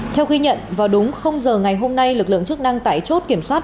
theo khi nhận vào đúng giờ ngày hôm nay lực lượng chức năng tải chốt kiểm soát